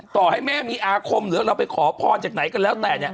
ต่อให้แม่มีอาคมหรือเราไปขอพรจากไหนก็แล้วแต่เนี่ย